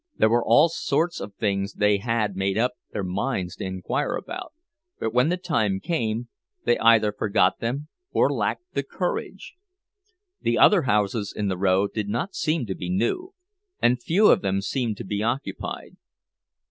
There were all sorts of things they had made up their minds to inquire about, but when the time came, they either forgot them or lacked the courage. The other houses in the row did not seem to be new, and few of them seemed to be occupied.